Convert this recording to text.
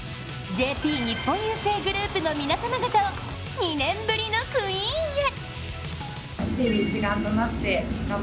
日本郵政グループの皆様方を２年ぶりのクイーンへ。